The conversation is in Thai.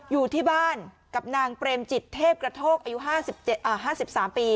อยู่ที่บ้านกับนางเปรมจิตเทพกระโทกอายุ๕๓ปี